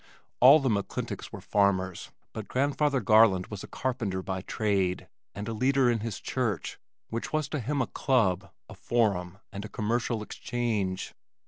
All the McClintocks were farmers, but grandfather Garland was a carpenter by trade, and a leader in his church which was to him a club, a forum and a commercial exchange.